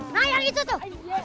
nah yang itu tuh